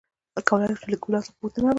کولاى شې ،چې له کليوالو څخه پوښتنه وکړې ؟